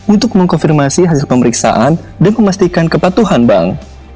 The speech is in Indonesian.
untuk mengkonfirmasi hasil pemeriksaan dan memastikan kepatuhan bank